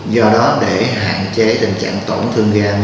do đó để hạn chế tình trạng tổn thương gan